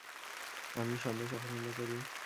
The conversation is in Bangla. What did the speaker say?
আমি সন্দেশ অপছন্দ করি।